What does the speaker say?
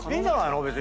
別に。